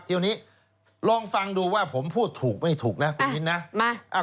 ทีนี้ลองฟังดูว่าผมพูดถูกไม่ถูกนะคุณมิ้นนะ